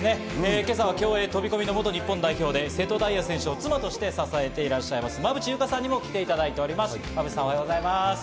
今朝は競泳・飛込の元日本代表で瀬戸大也選手を妻として支えていらっしゃいます、馬淵優佳さんにも来ていただいております。